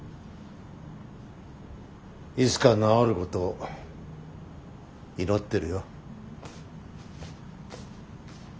いつか治ることを祈ってるよ。